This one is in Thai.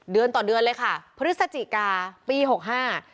เดือนต่อเดือนเลยค่ะพฤศจิกาปีหกห้า